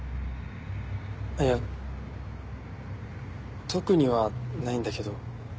いや特にはないんだけど。